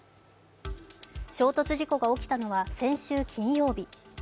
衝突事故が起きたのは先週金曜日。